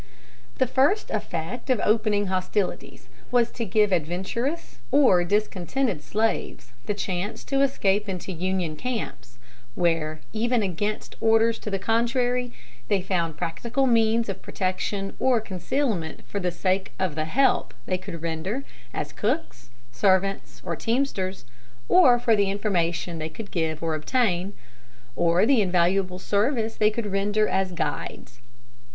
The first effect of opening hostilities was to give adventurous or discontented slaves the chance to escape into Union camps, where, even against orders to the contrary, they found practical means of protection or concealment for the sake of the help they could render as cooks, servants, or teamsters, or for the information they could give or obtain, or the invaluable service they could render as guides.